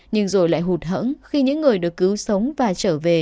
nhưng rồi lại hụt hẫng khi những người được cứu sống và trở về